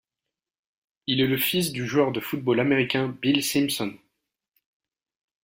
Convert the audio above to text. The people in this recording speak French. Il est le fils du joueur de football américain Bill Simpson.